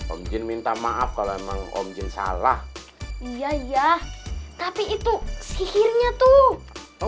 om jin minta maaf kalau emang om jin salah iya iya tapi itu sihirnya tuh